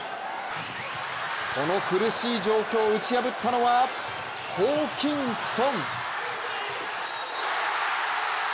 この苦しい状況を打ち破ったのはホーキンソン。